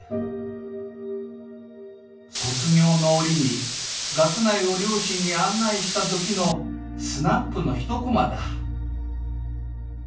卒業の折に学内を両親に案内した時のスナップの一コマだ」。